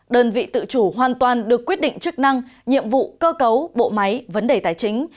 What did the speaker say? đơn vị tự chủ hoàn toàn được quyết định chức năng nhiệm vụ cơ cấu bộ máy vấn đề tài chính